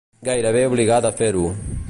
Gairebé obligada a fer-ho.